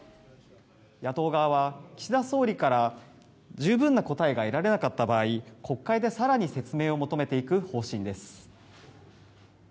野党側は岸田総理から十分な答えが得られなかった場合国会で更に説明を求めていく方針です。